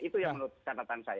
itu yang menurut catatan saya